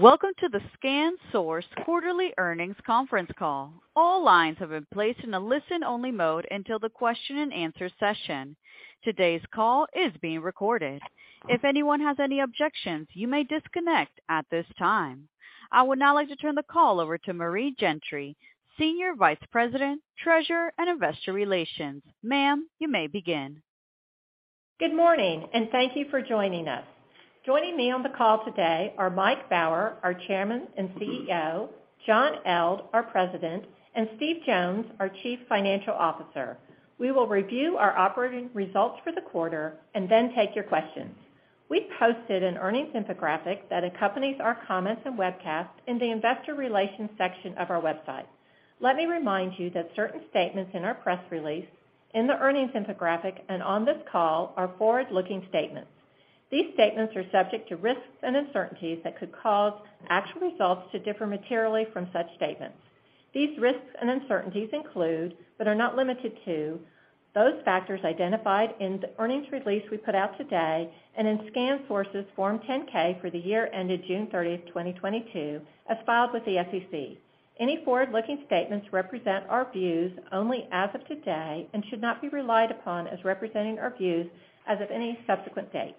Welcome to the ScanSource quarterly earnings conference call. All lines have been placed in a listen-only mode until the question-and-answer session. Today's call is being recorded. If anyone has any objections, you may disconnect at this time. I would now like to turn the call over to Mary Gentry, Senior Vice President, Treasurer, and Investor Relations. Ma'am, you may begin. Good morning, and thank you for joining us. Joining me on the call today are Mike Baur, our Chairman and CEO, John Eldh, our President, and Steve Jones, our Chief Financial Officer. We will review our operating results for the quarter and then take your questions. We posted an earnings infographic that accompanies our comments and webcast in the investor relations section of our website. Let me remind you that certain statements in our press release, in the earnings infographic, and on this call are forward-looking statements. These statements are subject to risks and uncertainties that could cause actual results to differ materially from such statements. These risks and uncertainties include, but are not limited to, those factors identified in the earnings release we put out today and in ScanSource's Form 10-K for the year ended June 30, 2022, as filed with the SEC. Any forward-looking statements represent our views only as of today and should not be relied upon as representing our views as of any subsequent date.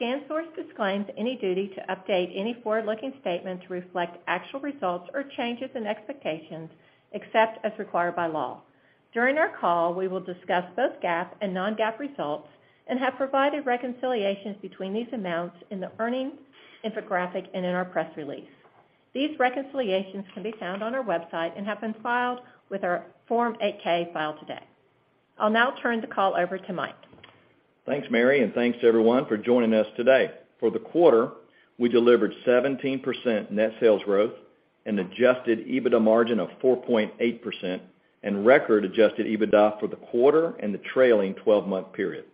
ScanSource disclaims any duty to update any forward-looking statements to reflect actual results or changes in expectations except as required by law. During our call, we will discuss both GAAP and non-GAAP results and have provided reconciliations between these amounts in the earnings infographic and in our press release. These reconciliations can be found on our website and have been filed with our Form 8-K filed today. I'll now turn the call over to Mike. Thanks, Mary, and thanks to everyone for joining us today. For the quarter, we delivered 17% net sales growth, an adjusted EBITDA margin of 4.8%, and record adjusted EBITDA for the quarter and the trailing twelve-month period.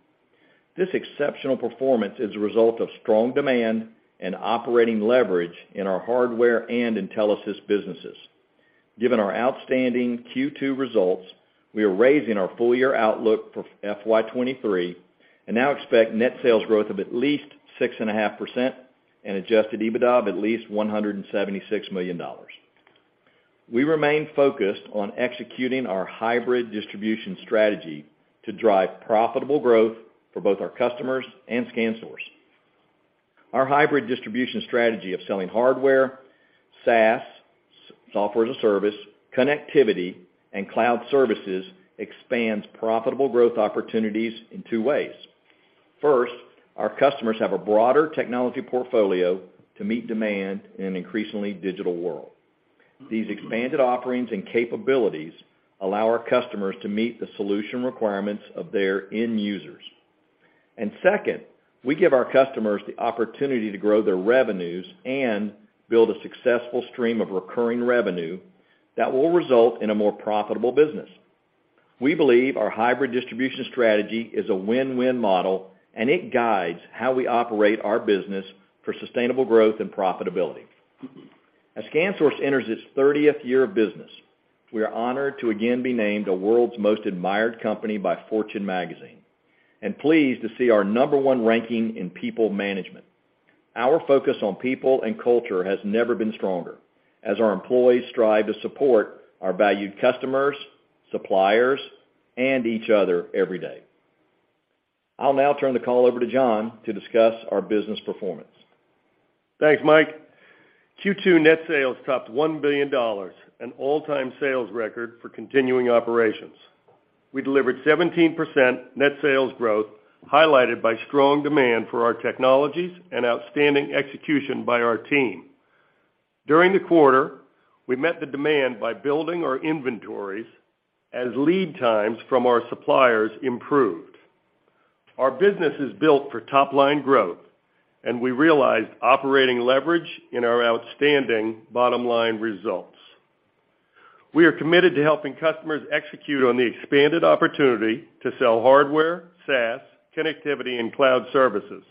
This exceptional performance is a result of strong demand and operating leverage in our hardware and Intelisys businesses. Given our outstanding Q2 results, we are raising our full year outlook for FY 2023 and now expect net sales growth of at least 6.5% and adjusted EBITDA of at least $176 million. We remain focused on executing our hybrid distribution strategy to drive profitable growth for both our customers and ScanSource. Our hybrid distribution strategy of selling hardware, SaaS (Software as a Service), connectivity, and cloud services expands profitable growth opportunities in two ways. First, our customers have a broader technology portfolio to meet demand in an increasingly digital world. These expanded offerings and capabilities allow our customers to meet the solution requirements of their end users. Second, we give our customers the opportunity to grow their revenues and build a successful stream of recurring revenue that will result in a more profitable business. We believe our hybrid distribution strategy is a win-win model, and it guides how we operate our business for sustainable growth and profitability. As ScanSource enters its thirtieth year of business, we are honored to again be named the world's most admired company by Fortune Magazine and pleased to see our number one ranking in people management. Our focus on people and culture has never been stronger as our employees strive to support our valued customers, suppliers, and each other every day. I'll now turn the call over to John to discuss our business performance. Thanks, Mike. Q2 net sales topped $1 billion, an all-time sales record for continuing operations. We delivered 17% net sales growth, highlighted by strong demand for our technologies and outstanding execution by our team. During the quarter, we met the demand by building our inventories as lead times from our suppliers improved. Our business is built for top-line growth, and we realized operating leverage in our outstanding bottom-line results. We are committed to helping customers execute on the expanded opportunity to sell hardware, SaaS, connectivity, and cloud services.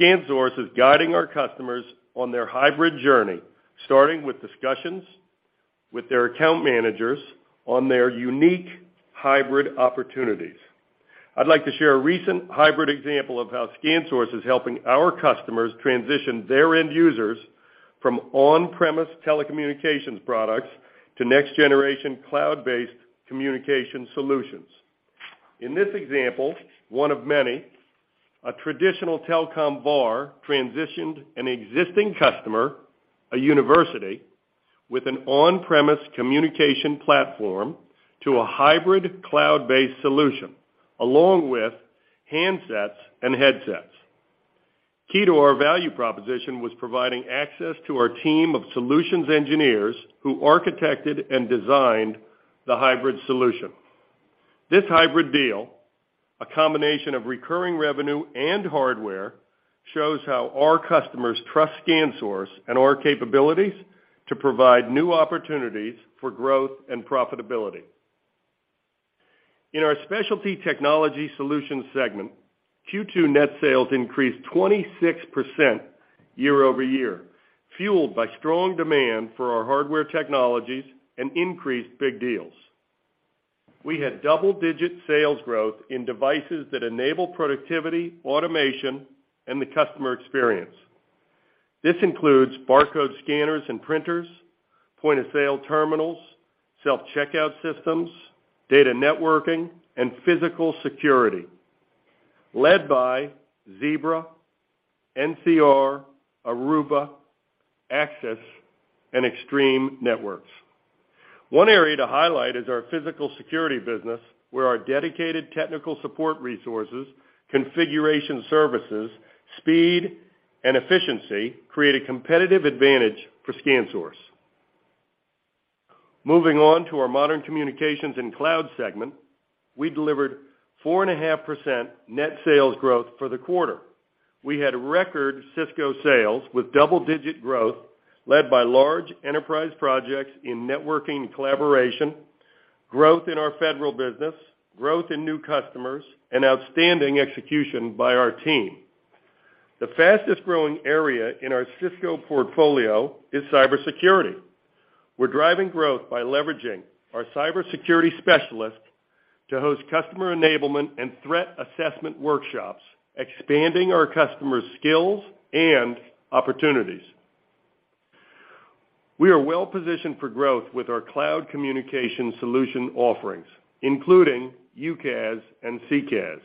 ScanSource is guiding our customers on their hybrid journey, starting with discussions with their account managers on their unique hybrid opportunities. I'd like to share a recent hybrid example of how ScanSource is helping our customers transition their end users from on-premise telecommunications products to next-generation cloud-based communication solutions. In this example, one of many, a traditional telecom VAR transitioned an existing customer, a university, with an on-premise communication platform to a hybrid cloud-based solution, along with handsets and headsets. Key to our value proposition was providing access to our team of solutions engineers who architected and designed the hybrid solution. This hybrid deal, a combination of recurring revenue and hardware, shows how our customers trust ScanSource and our capabilities to provide new opportunities for growth and profitability. In our Specialty Technology Solutions segment, Q2 net sales increased 26% year-over-year, fueled by strong demand for our hardware technologies and increased big deals. We had double-digit sales growth in devices that enable productivity, automation, and the customer experience. This includes barcode scanners and printers, point-of-sale terminals, self-checkout systems, data networking, and physical security, led by Zebra, NCR, Aruba, Axis, and Extreme Networks. One area to highlight is our Physical Security business, where our dedicated technical support resources, configuration services, speed, and efficiency create a competitive advantage for ScanSource. Moving on to our Modern Communications and Cloud segment, we delivered four-and-a-half percent net sales growth for the quarter. We had record Cisco sales with double-digit growth led by large enterprise projects in networking and collaboration, growth in our federal business, growth in new customers, and outstanding execution by our team. The fastest-growing area in our Cisco portfolio is cybersecurity. We're driving growth by leveraging our cybersecurity specialists to host customer enablement and threat assessment workshops, expanding our customers' skills and opportunities. We are well-positioned for growth with our cloud communication solution offerings, including UCaaS and CCaaS.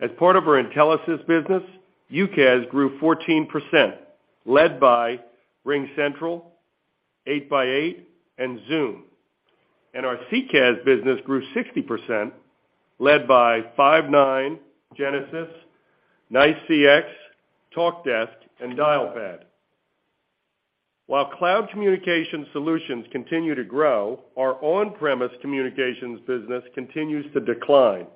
As part of our Intelisys business, UCaaS grew 14%, led by RingCentral, 8x8, and Zoom. Our CCaaS business grew 60%, led by Five9, Genesys, NICE CXone, Talkdesk, and Dialpad. While cloud communication solutions continue to grow, our on-premise communications business continues to decline.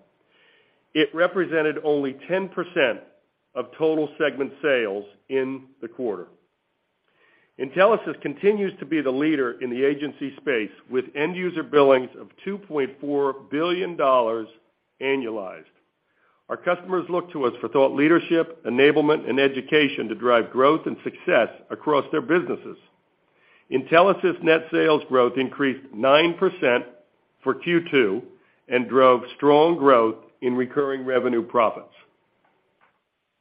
It represented only 10% of total segment sales in the quarter. Intelisys continues to be the leader in the agency space, with end-user billings of $2.4 billion annualized. Our customers look to us for thought leadership, enablement, and education to drive growth and success across their businesses. Intelisys net sales growth increased 9% for Q2 and drove strong growth in recurring revenue profits.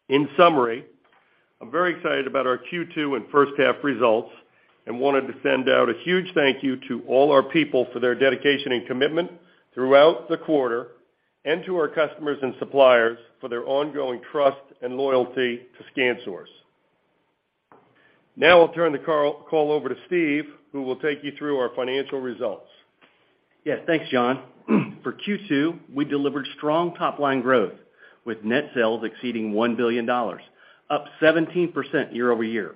In summary, I'm very excited about our Q2 and first half results and wanted to send out a huge thank you to all our people for their dedication and commitment throughout the quarter and to our customers and suppliers for their ongoing trust and loyalty to ScanSource. Now I'll turn the call over to Steve, who will take you through our financial results. Yes. Thanks, John. For Q2, we delivered strong top-line growth, with net sales exceeding $1 billion, up 17% year-over-year.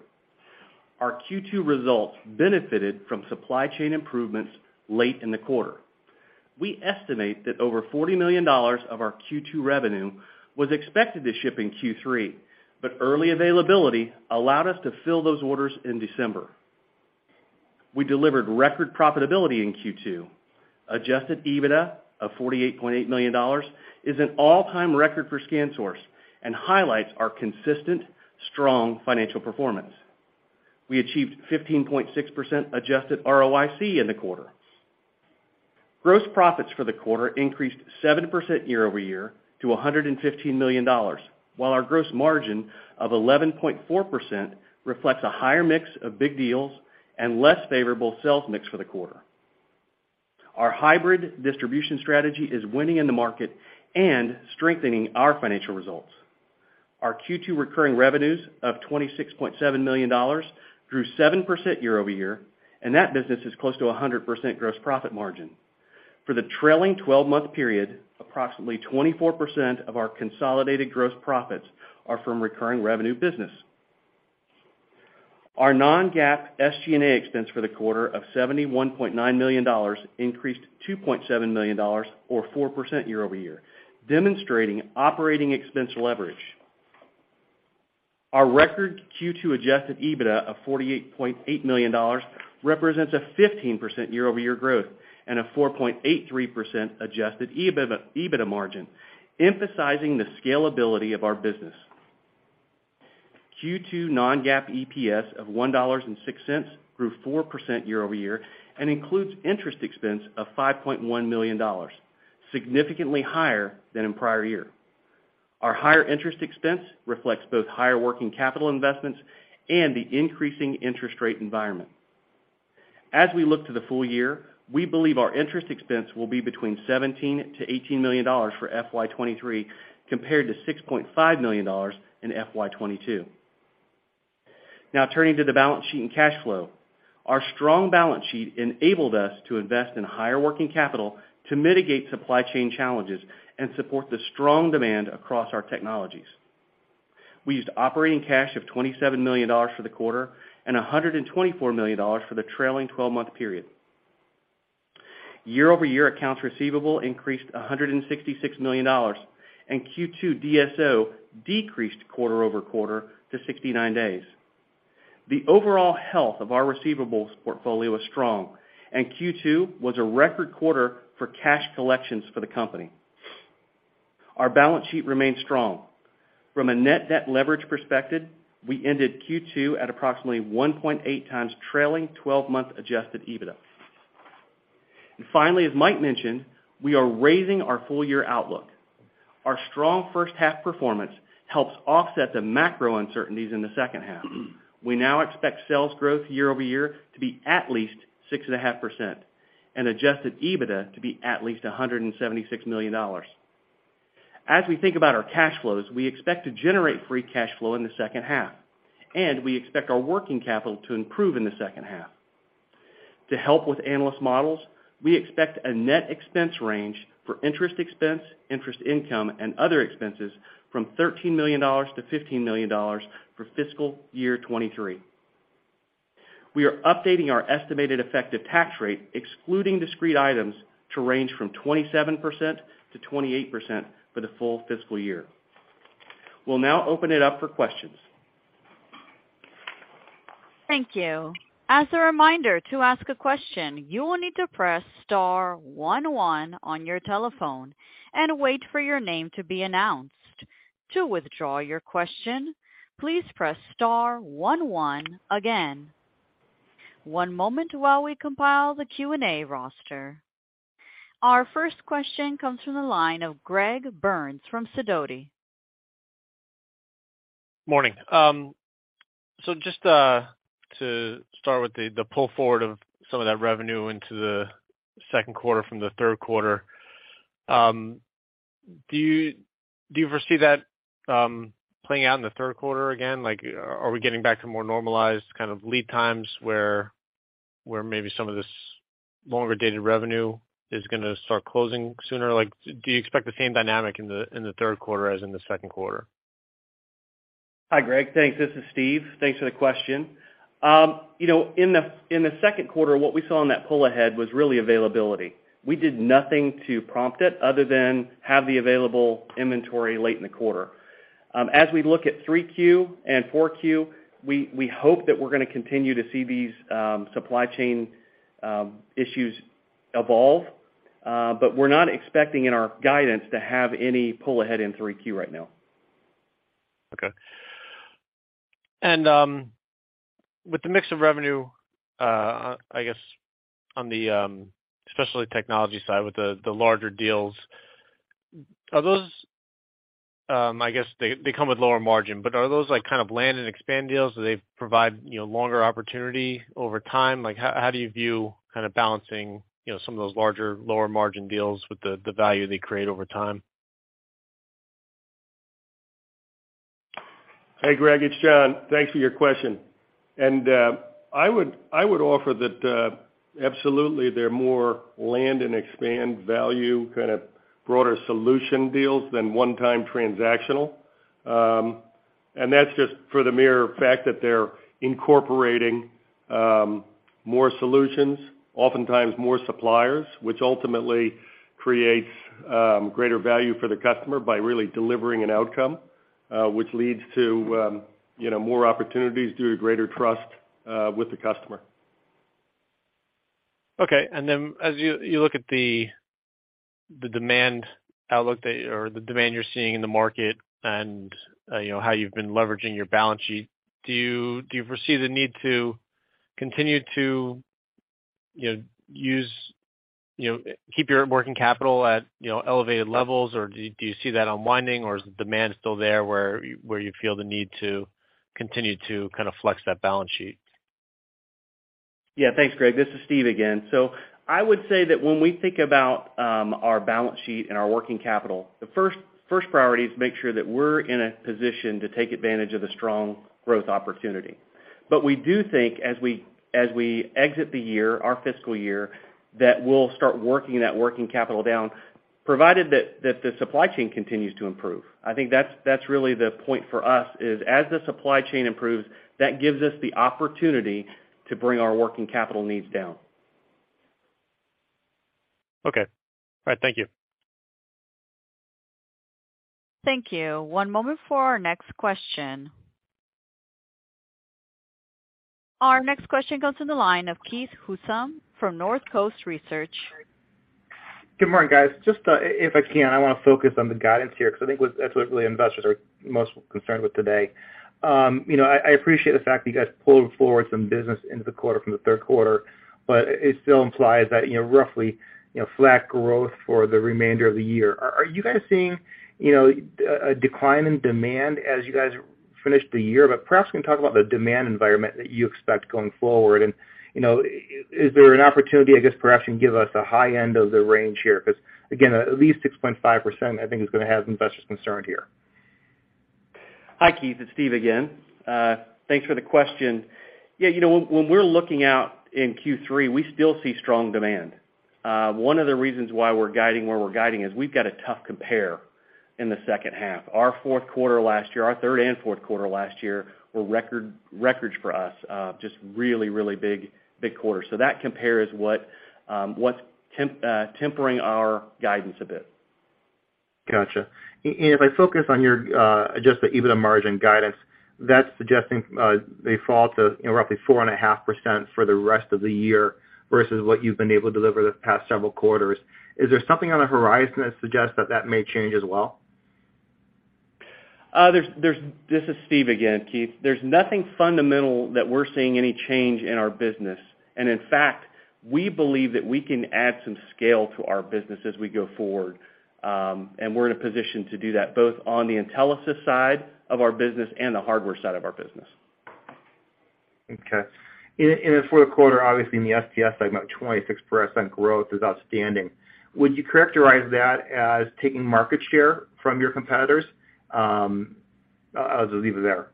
Our Q2 results benefited from supply chain improvements late in the quarter. We estimate that over $40 million of our Q2 revenue was expected to ship in Q3, early availability allowed us to fill those orders in December. We delivered record profitability in Q2. Adjusted EBITDA of $48.8 million is an all-time record for ScanSource and highlights our consistent, strong financial performance. We achieved 15.6% adjusted ROIC in the quarter. Gross profits for the quarter increased 7% year-over-year to $115 million, while our gross margin of 11.4% reflects a higher mix of big deals and less favorable sales mix for the quarter. Our hybrid distribution strategy is winning in the market and strengthening our financial results. Our Q2 recurring revenues of $26.7 million grew 7% year-over-year, and that business is close to a 100% gross profit margin. For the trailing 12-month period, approximately 24% of our consolidated gross profits are from recurring revenue business. Our non-GAAP SG&A expense for the quarter of $71.9 million increased $2.7 million or 4% year-over-year, demonstrating operating expense leverage. Our record Q2 adjusted EBITDA of $48.8 million represents a 15% year-over-year growth and a 4.83% adjusted EBITDA margin, emphasizing the scalability of our business. Q2 non-GAAP EPS of $1.06 grew 4% year-over-year and includes interest expense of $5.1 million, significantly higher than in prior year. Our higher interest expense reflects both higher working capital investments and the increasing interest rate environment. As we look to the full year, we believe our interest expense will be between $17 million-$18 million for FY 2023 compared to $6.5 million in FY 2022. Turning to the balance sheet and cash flow. Our strong balance sheet enabled us to invest in higher working capital to mitigate supply chain challenges and support the strong demand across our technologies. We used operating cash of $27 million for the quarter and $124 million for the trailing 12-month period. Year-over-year accounts receivable increased $166 million, Q2 DSO decreased quarter-over-quarter to 69 days. The overall health of our receivables portfolio is strong, and Q2 was a record quarter for cash collections for the company. Our balance sheet remains strong. From a net-debt leverage perspective, we ended Q2 at approximately 1.8x trailing 12-month adjusted EBITDA. Finally, as Mike mentioned, we are raising our full year outlook. Our strong first half performance helps offset the macro uncertainties in the second half. We now expect sales growth year-over-year to be at least 6.5% and adjusted EBITDA to be at least $176 million. As we think about our cash flows, we expect to generate free cash flow in the second half, and we expect our working capital to improve in the second half. To help with analyst models, we expect a net expense range for interest expense, interest income, and other expenses from $13 million-$15 million for fiscal year 2023. We are updating our estimated effective tax rate, excluding discrete items, to range from 27%-28% for the full fiscal year. We'll now open it up for questions. Thank you. As a reminder, to ask a question, you will need to press star one one on your telephone and wait for your name to be announced. To withdraw your question, please press star one one again. One moment while we compile the Q&A roster. Our first question comes from the line of Greg Burns from Sidoti. Morning. Just to start with the pull forward of some of that revenue into the second quarter from the third quarter. Do you foresee that playing out in the third quarter again? Like, are we getting back to more normalized kind of lead times where maybe some of this longer dated revenue is gonna start closing sooner? Like, do you expect the same dynamic in the third quarter as in the second quarter? Hi, Greg. Thanks. This is Steve. Thanks for the question. you know, in the second quarter, what we saw in that pull ahead was really availability. We did nothing to prompt it other than have the available inventory late in the quarter. As we look at 3Q and 4Q, we hope that we're gonna continue to see these supply chain issues evolve. We're not expecting in our guidance to have any pull ahead in 3Q right now. Okay. With the mix of revenue, I guess on the especially technology side with the larger deals, are those, I guess they come with lower margin, but are those like kind of land and expand deals? Do they provide, you know, longer opportunity over time? Like, how do you view kind of balancing, you know, some of those larger lower margin deals with the value they create over time? Hey, Greg, it's John. Thanks for your question. I would offer that absolutely they're more land and expand value, kind of broader solution deals than one time transactional. That's just for the mere fact that they're incorporating more solutions, oftentimes more suppliers, which ultimately creates greater value for the customer by really delivering an outcome, you know, more opportunities due to greater trust with the customer. Okay. As you look at the demand outlook that or the demand you're seeing in the market and, you know, how you've been leveraging your balance sheet, do you foresee the need to continue to, you know, keep your working capital at, you know, elevated levels, or do you see that unwinding or is demand still there where you feel the need to continue to kind of flex that balance sheet? Yeah. Thanks, Greg. This is Steve again. I would say that when we think about our balance sheet and our working capital, the first priority is to make sure that we're in a position to take advantage of the strong growth opportunity. We do think as we exit the year, our fiscal year, that we'll start working that working capital down, provided that the supply chain continues to improve. I think that's really the point for us, is as the supply chain improves, that gives us the opportunity to bring our working capital needs down. Okay. All right. Thank you. Thank you. One moment for our next question. Our next question goes to the line of Keith Housum from Northcoast Research. Good morning, guys. Just, if I can, I want to focus on the guidance here because I think that's what really investors are most concerned with today. You know, I appreciate the fact that you guys pulled forward some business into the quarter from the third quarter, it still implies that, you know, roughly flat growth for the remainder of the year. Are you guys seeing, you know, a decline in demand as you guys finish the year? Perhaps you can talk about the demand environment that you expect going forward. You know, is there an opportunity, I guess, perhaps you can give us a high end of the range here, because again, at least 6.5%, I think is going to have investors concerned here. Hi, Keith. It's Steve again. Thanks for the question. Yeah, you know, when we're looking out in Q3, we still see strong demand. One of the reasons why we're guiding where we're guiding is we've got a tough compare in the second half. Our fourth quarter last year, our third and fourth quarter last year were records for us. Just really big quarters. That compare is what's tempering our guidance a bit. Gotcha. If I focus on your adjusted EBITDA margin guidance. That's suggesting they fall to, you know, roughly 4.5% for the rest of the year versus what you've been able to deliver the past several quarters. Is there something on the horizon that suggests that that may change as well? This is Steve again, Keith. There's nothing fundamental that we're seeing any change in our business. In fact, we believe that we can add some scale to our business as we go forward. We're in a position to do that both on the Intelisys side of our business and the hardware side of our business. Okay. In the fourth quarter, obviously in the STS segment, 26% growth is outstanding. Would you characterize that as taking market share from your competitors? I'll just leave it there.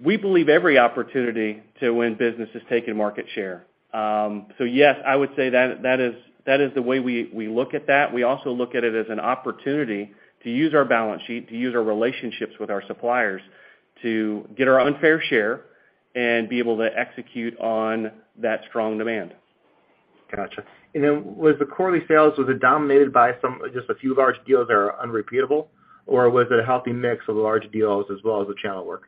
We believe every opportunity to win business is taking market share. yes, I would say that is the way we look at that. We also look at it as an opportunity to use our balance sheet, to use our relationships with our suppliers, to get our unfair share and be able to execute on that strong demand. Gotcha. Was the quarterly sales, was it dominated by just a few large deals that are unrepeatable, or was it a healthy mix of large deals as well as the channel work?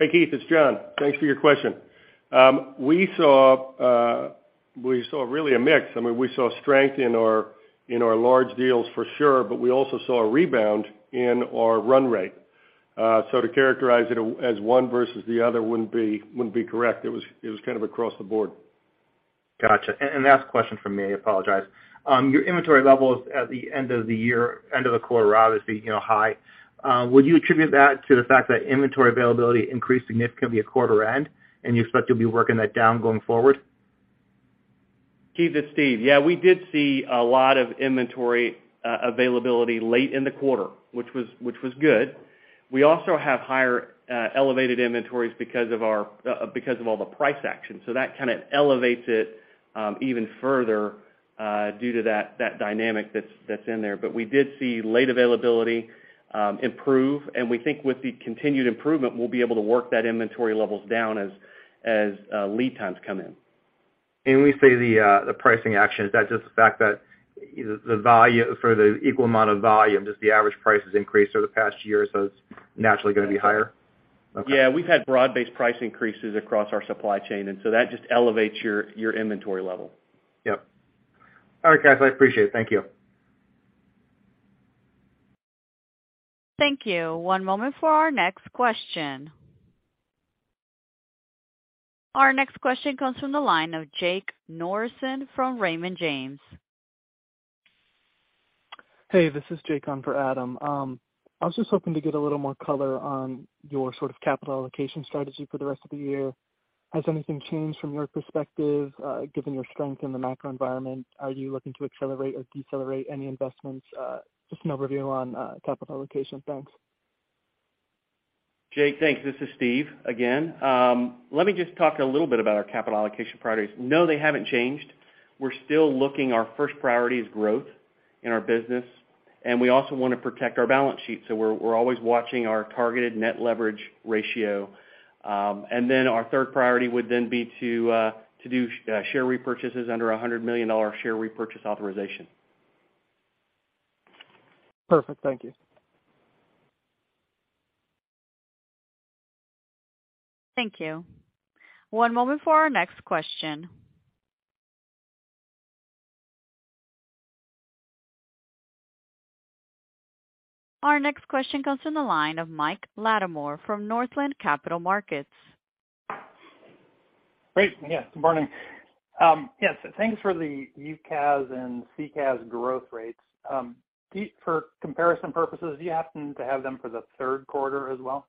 Hey, Keith, it's John. Thanks for your question. We saw really a mix. I mean, we saw strength in our large deals for sure, but we also saw a rebound in our run rate. To characterize it as one versus the other wouldn't be correct. It was kind of across the board. Gotcha. The last question from me, I apologize. Your inventory levels at the end of the year, end of the quarter rather, is getting a little high. Would you attribute that to the fact that inventory availability increased significantly at quarter end, and you expect to be working that down going forward? Keith, it's Steve. Yeah, we did see a lot of inventory availability late in the quarter, which was good. We also have higher elevated inventories because of all the price action. That kinda elevates it even further due to that dynamic that's in there. We did see late availability improve, and we think with the continued improvement, we'll be able to work that inventory levels down as lead times come in. When you say the pricing action, is that just the fact that, you know, for the equal amount of volume, just the average price has increased over the past year, so it's naturally gonna be higher? Okay. Yeah. We've had broad-based price increases across our supply chain, and so that just elevates your inventory level. Yep. All right, guys. I appreciate it. Thank you. Thank you. One moment for our next question. Our next question comes from the line of Jake Norrison from Raymond James. Hey, this is Jake on for Adam. I was just hoping to get a little more color on your sort of capital allocation strategy for the rest of the year. Has anything changed from your perspective, given your strength in the macro environment? Are you looking to accelerate or decelerate any investments? Just an overview on capital allocation. Thanks. Jake, thanks. This is Steve again. Let me just talk a little bit about our capital allocation priorities. No, they haven't changed. We're still looking, our first priority is growth in our business, and we also wanna protect our balance sheet. We're always watching our targeted net leverage ratio. Our third priority would then be to do share repurchases under a $100 million share repurchase authorization. Perfect. Thank you. Thank you. One moment for our next question. Our next question comes from the line of Mike Latimore from Northland Capital Markets. Great. Yeah, good morning. Yes, thanks for the UCaaS and CCaaS growth rates. Keith, for comparison purposes, do you happen to have them for the third quarter as well?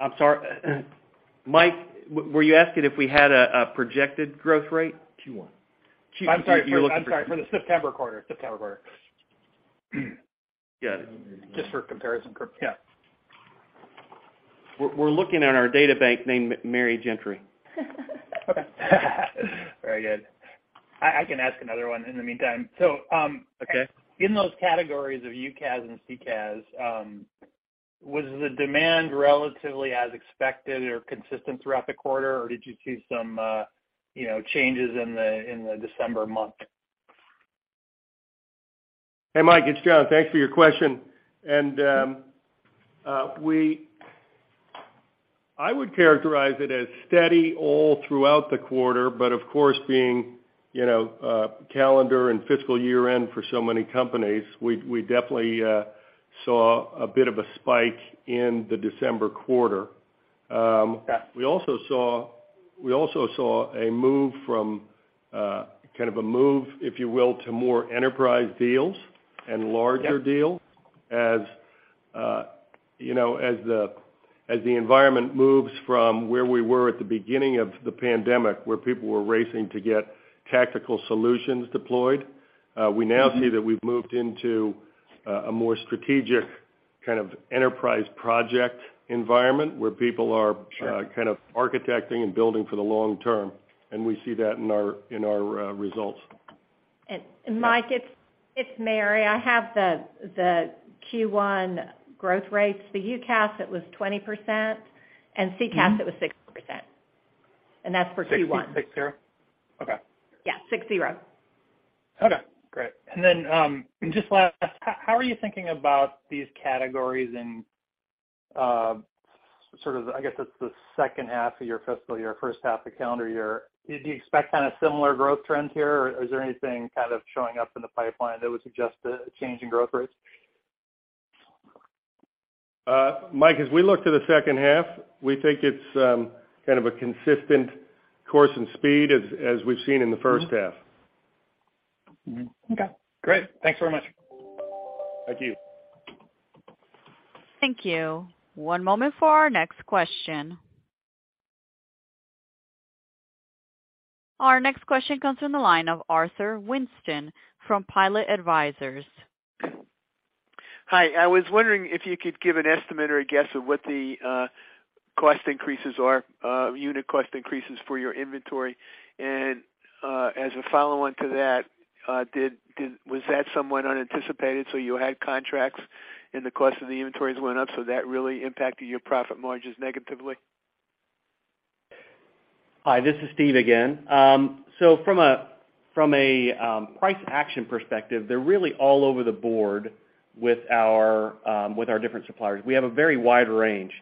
I'm sorry. Mike, were you asking if we had a projected growth rate? Q1. you're looking for- I'm sorry. For the September quarter. Yeah. Just for comparison yeah. We're looking in our data bank named M-Mary Gentry. Okay. Very good. I can ask another one in the meantime. Okay. In those categories of UCaaS and CCaaS, was the demand relatively as expected or consistent throughout the quarter? Or did you see some, you know, changes in the December month? Hey, Mike, it's John. Thanks for your question. I would characterize it as steady all throughout the quarter, but of course, being, you know, a calendar and fiscal year-end for so many companies, we definitely saw a bit of a spike in the December quarter. Yeah. We also saw a move from kind of a move, if you will, to more enterprise deals and larger deals. Yeah. As, you know, as the environment moves from where we were at the beginning of the pandemic, where people were racing to get tactical solutions deployed, we now see that we've moved into a more strategic kind of enterprise project environment where people are- Sure Kind of architecting and building for the long term, and we see that in our results. Mike, it's Mary. I have the Q1 growth rates. The UCaaS, it was 20%, and CCaaS, it was 6%. That's for Q1. 660? Okay. Yeah, 60. Okay, great. Just last, how are you thinking about these categories and, sort of, I guess, it's the second half of your fiscal year, first half of calendar year. Did you expect kind of similar growth trends here or is there anything kind of showing up in the pipeline that would suggest a change in growth rates? Mike, as we look to the second half, we think it's kind of a consistent course and speed as we've seen in the first half. Mm-hmm. Okay. Great. Thanks very much. Thank you. Thank you. One moment for our next question. Our next question comes from the line of Arthur Winston from Pilot Advisors. Hi, I was wondering if you could give an estimate or a guess of what the cost increases are, unit cost increases for your inventory? As a follow-on to that, was that somewhat unanticipated, so you had contracts and the cost of the inventories went up, so that really impacted your profit margins negatively? Hi, this is Steve again. From a price action perspective, they're really all over the board with our different suppliers. We have a very wide range.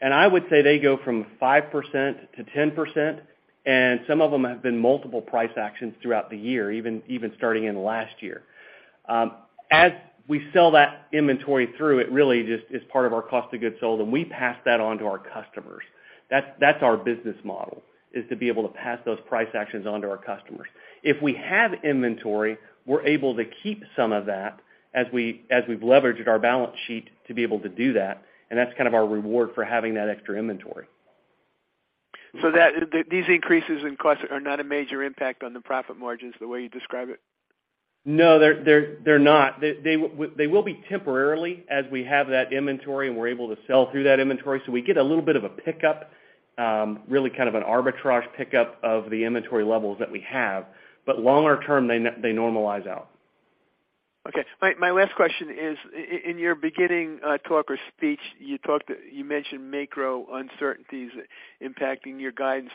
I would say they go from 5%-10%, and some of them have been multiple price actions throughout the year, even starting in last year. As we sell that inventory through, it really just is part of our cost of goods sold, and we pass that on to our customers. That's our business model, is to be able to pass those price actions on to our customers. If we have inventory, we're able to keep some of that as we've leveraged our balance sheet to be able to do that, and that's kind of our reward for having that extra inventory. These increases in costs are not a major impact on the profit margins the way you describe it? No, they're not. They will be temporarily as we have that inventory, and we're able to sell through that inventory. We get a little bit of a pickup, really kind of an arbitrage pickup of the inventory levels that we have. Longer term, they normalize out. Okay. My last question is, in your beginning talk or speech, You mentioned macro uncertainties impacting your guidance.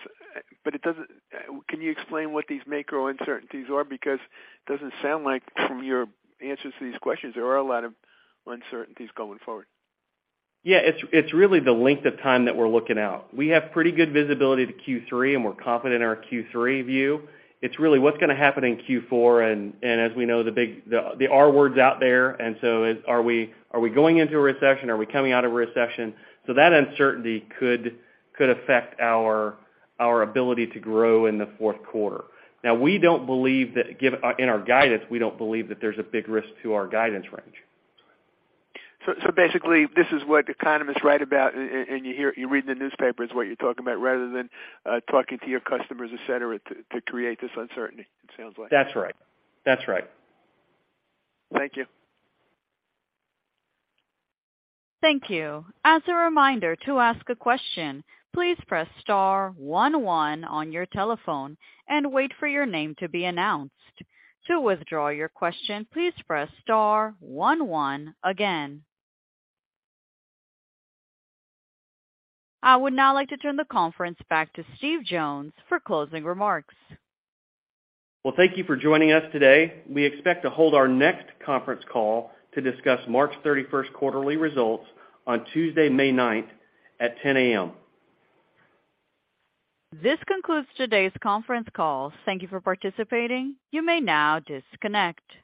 Can you explain what these macro uncertainties are? It doesn't sound like from your answers to these questions, there are a lot of uncertainties going forward. Yeah. It's really the length of time that we're looking out. We have pretty good visibility to Q3, and we're confident in our Q3 view. It's really what's gonna happen in Q4, and as we know, the R word's out there. Are we going into a recession? Are we coming out of a recession? That uncertainty could affect our ability to grow in the fourth quarter. Now, we don't believe that in our guidance, we don't believe that there's a big risk to our guidance range. Basically, this is what economists write about, and you read in the newspaper is what you're talking about, rather than talking to your customers, et cetera, to create this uncertainty, it sounds like. That's right. That's right. Thank you. Thank you. As a reminder, to ask a question, please press star one one on your telephone and wait for your name to be announced. To withdraw your question, please press star one one again. I would now like to turn the conference back to Steve Jones for closing remarks. Well, thank you for joining us today. We expect to hold our next conference call to discuss March 31st quarterly results on Tuesday, May 9th at 10:00 A.M. This concludes today's conference call. Thank you for participating. You may now disconnect.